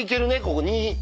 ここ２。